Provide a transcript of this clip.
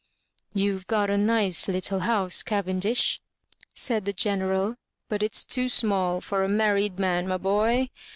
" YouVe got a nice little house, Cavendish," said the Greneral, " but it's too small for a married man, my boy.